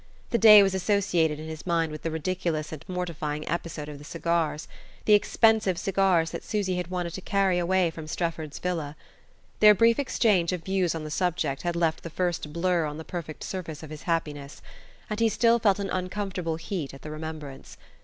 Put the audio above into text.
The day was associated in his mind with the ridiculous and mortifying episode of the cigars the expensive cigars that Susy had wanted to carry away from Strefford's villa. Their brief exchange of views on the subject had left the first blur on the perfect surface of his happiness, and he still felt an uncomfortable heat at the remembrance.